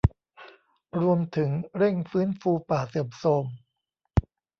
รวมถึงเร่งฟื้นฟูป่าเสื่อมโทรม